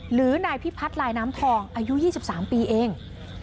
หรือนายพิพัฒน์ลายน้ำทองอายุ๒๓ปีเอง